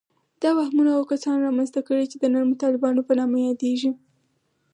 دا وهمونه هغو کسانو رامنځته کړي چې د نرمو طالبانو په نامه یادیږي